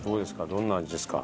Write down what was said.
どんな味ですか？